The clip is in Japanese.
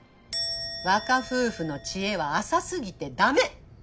若夫婦の知恵は浅過ぎて駄目。